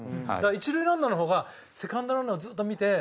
一塁ランナーの方がセカンドランナーをずっと見て。